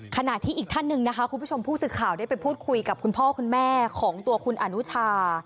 ขณะที่อีกท่านหนึ่งนะคะคุณผู้ชมผู้สื่อข่าวได้ไปพูดคุยกับคุณพ่อคุณแม่ของตัวคุณอนุชา